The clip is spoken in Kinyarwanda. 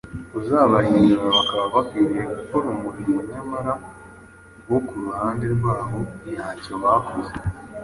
uzabahindura bakaba bakwiriye gukora umurimo nyamara bo ku ruhande rwabo ntacyo bakoze.